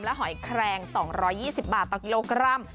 หอยแครง๒๒๐บาทต่อกิโลกรัม